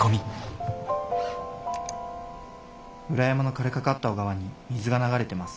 「裏山の枯れかかった小川に水が流れてます！